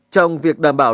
trong việc đảm bảo